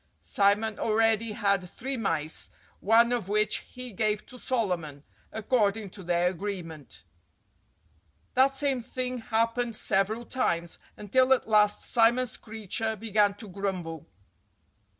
Simon already had three mice, one of which he gave to Solomon, according to their agreement. That same thing happened several times; until at last Simon Screecher began to grumble.